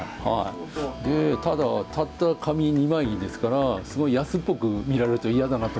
ただたった紙２枚ですからすごい安っぽく見られると嫌だなと思いまして。